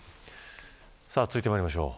続いてまいりましょう。